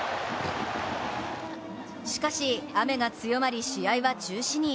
しかし雨が強まり、試合は中止に。